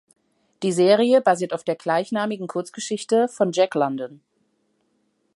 Die Serie basiert auf der gleichnamigen Kurzgeschichte von Jack London.